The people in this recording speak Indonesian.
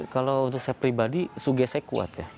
kalau untuk saya pribadi sugesek kuat